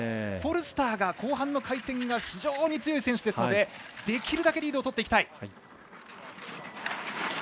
フォルスターが後半の回転が非常に強い選手ですのでできるだけリードを取りたい。